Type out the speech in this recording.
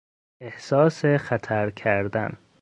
احساس خطر کردن